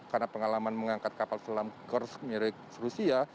karena pengalaman mengangkat kapal selam kursk mirip rusia